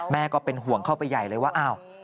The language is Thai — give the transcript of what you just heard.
ก็เป็นห่วงเข้าไปใหญ่เลยว่าอ้าว